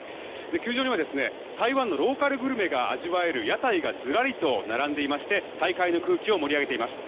球場には台湾のローカルグルメが味わえる屋台がずらりと並んでいまして大会の空気を盛り上げています。